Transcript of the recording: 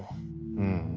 うん。